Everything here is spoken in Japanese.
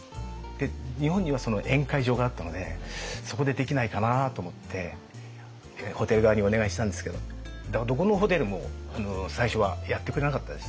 で日本には宴会場があったのでそこでできないかなと思ってホテル側にお願いしたんですけどどこのホテルも最初はやってくれなかったです。